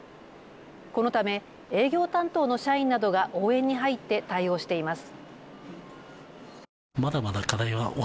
このため営業担当の社員などが応援に入って対応しています。